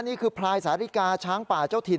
นี่คือพลายสาธิกาช้างป่าเจ้าถิ่น